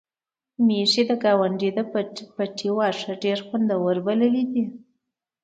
میښې د ګاونډي د پټي واښه ډېر خوندور بللي دي.